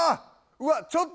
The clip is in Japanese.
うわっ